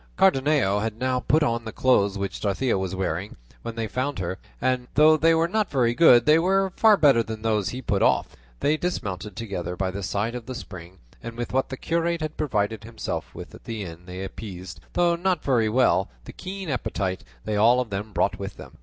Cardenio had now put on the clothes which Dorothea was wearing when they found her, and though they were not very good, they were far better than those he put off. They dismounted together by the side of the spring, and with what the curate had provided himself with at the inn they appeased, though not very well, the keen appetite they all of them brought with them.